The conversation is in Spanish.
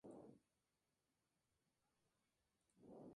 Las luchas de estatus y poder se promulgaron en diversos contextos geográficos.